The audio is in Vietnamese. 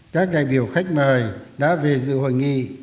các đại biểu khách mời đã về dự hội nghị